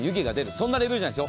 そんなレベルじゃないです。